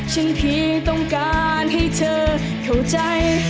ฉันเพียงต้องการให้เธอเข้าใจ